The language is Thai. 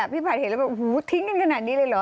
พี่ภัยเห็นแล้วบอกทิ้งกันขนาดนี้เลยเหรอ